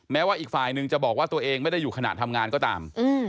ว่าอีกฝ่ายหนึ่งจะบอกว่าตัวเองไม่ได้อยู่ขณะทำงานก็ตาม